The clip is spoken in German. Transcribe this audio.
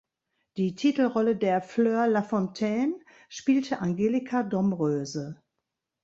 Die Titelrolle der Fleur Lafontaine spielte Angelica Domröse.